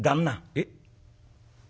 「えっ。